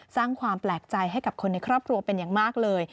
สร้างความแปลกใจให้กับคนในครอบครัวเป็นอย่างมากเลย